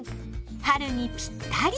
春にぴったり。